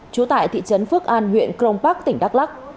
trú tại thị trấn phước an huyện crong park tỉnh đắk lắc